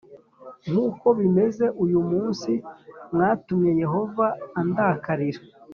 nk’uko bimeze uyu munsi. “Mwatumye Yehova andakarira,